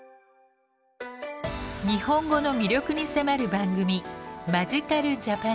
日本語の魅力に迫る番組